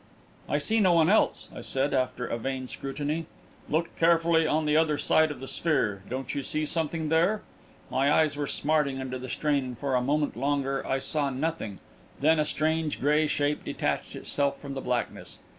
"I see no one else," I said, after a vain scrutiny. "Look carefully on the other side of the sphere. Don't you see something there?" My eyes were smarting under the strain, and for a moment longer I saw nothing; then a strange, grey shape detached itself from the blackness.